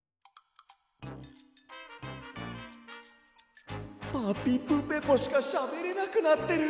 こころのこえ「ぱぴぷぺぽ」しかしゃべれなくなってる。